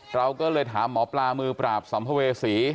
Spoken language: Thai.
เราก็เลยถามหมอปลามือปราบสัมภเวษี